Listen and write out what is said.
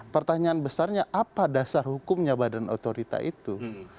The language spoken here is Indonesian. pertanyaan besarnya apa dasar hukumnya badan otorita itu